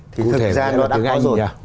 thì thực ra nó đã có rồi